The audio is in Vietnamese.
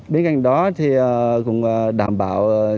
bên cạnh đó cũng đảm bảo